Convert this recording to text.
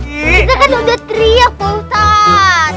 kita kan udah teriak pak ustadz